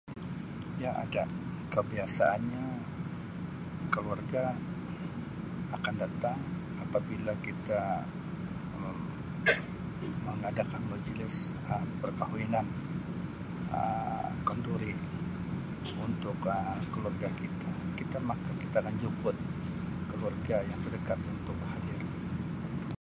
Ya ada kebiasaanya keluarga akan datang apabila kita mem mengadakan majlis Um perkahwinan Um kenduri untuk Um keluarga kita kita mak kita akan jemput keluarga yang terdekat untuk hadir.